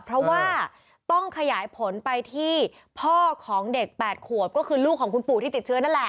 เพราะว่าต้องขยายผลไปที่พ่อของเด็ก๘ขวบก็คือลูกของคุณปู่ที่ติดเชื้อนั่นแหละ